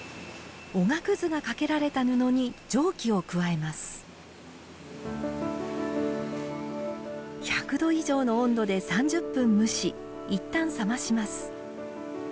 おがくずがかけられた布に蒸気を加えます１００度以上の温度で３０分蒸し一旦冷まします。